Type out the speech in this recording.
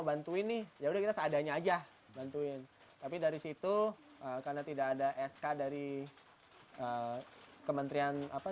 bantuin nih ya udah kita seadanya aja bantuin tapi dari situ karena tidak ada sk dari kementerian apa